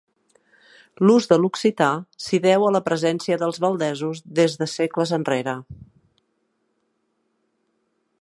L'ús de l'occità s'hi deu a la presència dels valdesos des de segles enrere.